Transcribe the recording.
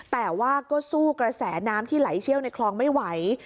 แต่ว่าก็สู้กระแสน้ำที่ไหลเชี่ยวในคลองไม่ไหว